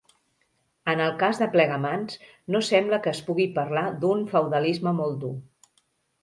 En el cas de Plegamans, no sembla que es pugui parlar d'un feudalisme molt dur.